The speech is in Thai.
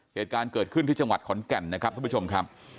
เหตุการณ์เกิดขึ้นที่จังหวัดขอนแก่นนะครับทุกผู้ชมครับ